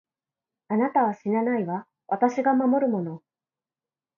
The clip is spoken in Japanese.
あなたは死なないわ、私が守るもの。